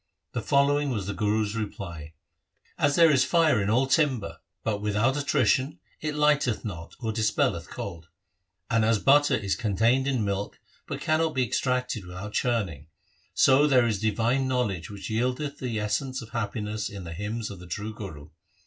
The following was the Guru's reply :' As there is fire in all timber, but without attrition it lighteth not or dis pelleth cold ; and as butter is contained in milk but cannot be extracted without churning ; so there is divine knowledge which yieldeth the essence of happiness in the hymns of the true Guru.